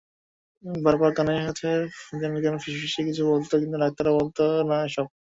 বারবার কানের কাছে কে যেন ফিসফিসিয়ে কিছু বলত, কিন্তু ডাক্তাররা বলত না এসব!